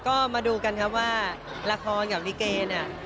ก็มาดูกันครับว่าละครกับลิเกเนี่ย